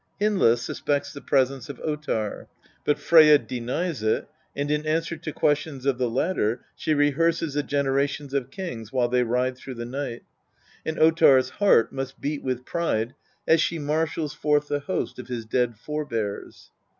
Hyndla suspects the presence of Ottar, but Freyja denies it, and in answer to questions of the latter she rehearses the generations of kings while they ride through the night, and Ottar's heart must beat with pride as she marshals forth the host of his dead forbears.